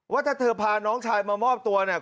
ว่าถ้าเธอพาน้องชายมามอบตัวเนี่ย